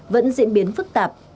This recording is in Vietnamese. vẫn diễn biến phức tạp